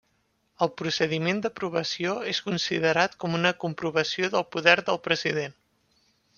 El procediment d'aprovació és considerat com una comprovació del poder del president.